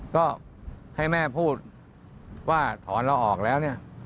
ก็ให้แม่พูดว่าถอนเราออกแล้วเนี่ย